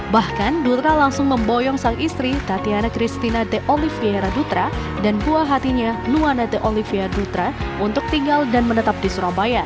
bahkan dutra langsung memboyong sang istri tatiana christina the olivier dutra dan buah hatinya luana the olivia dutra untuk tinggal dan menetap di surabaya